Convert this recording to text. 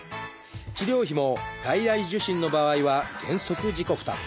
治療費も外来受診の場合は原則自己負担。